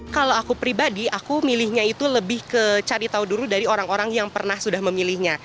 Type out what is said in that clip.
kalau aku pribadi aku milihnya itu lebih ke cari tahu dulu dari orang orang yang pernah sudah memilihnya